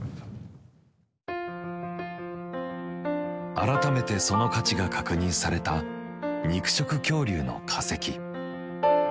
改めてその価値が確認された肉食恐竜の化石。